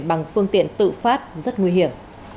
bằng phương tiện tự phát rất nguy hiểm